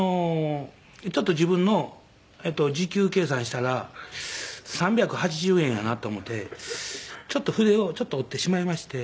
ちょっと自分の時給計算したら３８０円やなと思ってちょっと筆を折ってしまいまして。